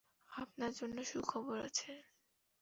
আপনার জন্য সুখবর আছে!